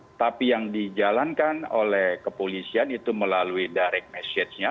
tetapi yang dijalankan oleh kepolisian itu melalui direct messagenya